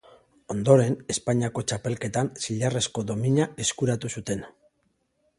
Ondoren Espainiako txapelketan zilarrezko domina eskuratu zuten.